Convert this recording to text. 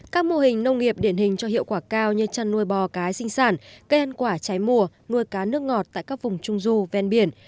các mô hình nông nghiệp điển hình cho hiệu quả cao như chăn nuôi bò cái sinh sản cây ăn quả cháy mùa nuôi cá nước ngọt tại các vùng trung du ven biển